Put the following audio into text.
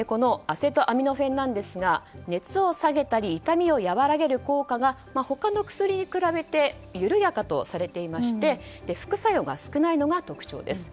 アセトアミノフェンなんですが熱を下げたり痛みを和らげる効果が、他の薬に比べて緩やかとされていまして副作用が少ないのが特徴です。